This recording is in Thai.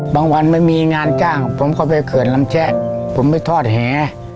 วันไม่มีงานจ้างผมก็ไปเขื่อนลำแชะผมไปทอดแห